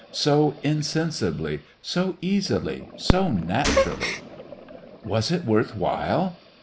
So insensibly, so easily, so naturally! "Was it worth while?"